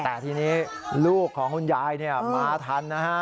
แต่ทีนี้ลูกของคุณยายมาทันนะฮะ